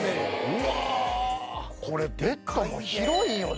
これベッドも広いよね。